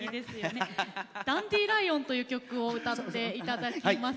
「ダンディライオン」という曲を歌って頂きます。